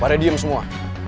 padahal diam semua